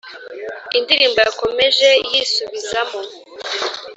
Indirimbo yakomeje yisubizamo